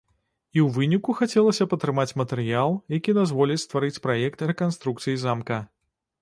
І ў выніку хацелася б атрымаць матэрыял, які дазволіць стварыць праект рэканструкцыі замка.